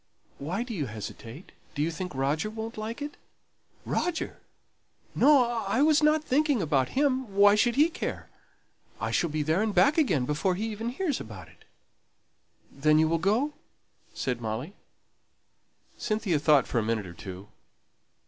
Why do you hesitate? Do you think Roger won't like it?" "Roger! no, I wasn't thinking about him! Why should he care? I shall be there and back again before he even hears about it." "Then you will go?" said Molly. Cynthia thought for a minute or two.